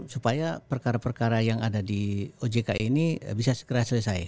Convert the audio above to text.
supaya perkara perkara yang ada di ojk ini bisa segera selesai